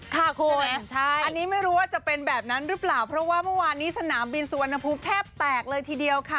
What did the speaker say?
ค่ะคุณอันนี้ไม่รู้ว่าจะเป็นแบบนั้นหรือเปล่าเพราะว่าเมื่อวานนี้สนามบินสุวรรณภูมิแทบแตกเลยทีเดียวค่ะ